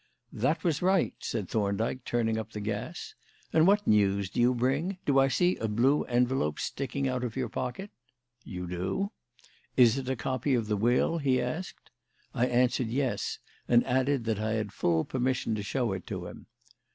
"That was right," said Thorndyke, turning up the gas. "And what news do you bring? Do I see a blue envelope sticking out of your pocket?" "You do." "Is it a copy of the will?" he asked. I answered "yes," and added that I had full permission to show it to him.